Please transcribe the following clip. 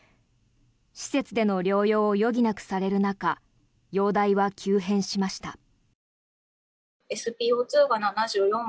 施設での療養を余儀なくされる中容体は急変しました。